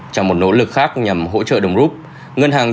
trong một nỗ lực khác nhằm hỗ trợ đồng rút